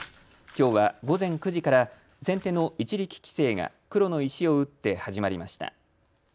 きょうは午前９時から先手の一力棋聖が黒の石を打って始まりました。